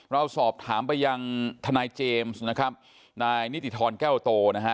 เราสอบถามไปยังทนายเจมส์นะครับนายนิติธรแก้วโตนะฮะ